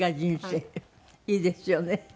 いいですよね。